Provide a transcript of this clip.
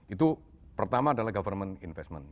itu pertama adalah government investment